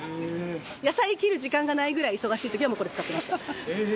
野菜切る時間がないぐらい忙しい時はこれ使ってました。